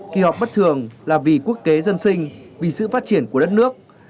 kỳ họp bất thường là vì quốc kế dân sinh vì sự phát triển của đất nước